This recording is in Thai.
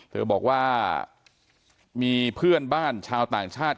เธอบอกว่ามีเพื่อนบ้านชาวต่างชาติ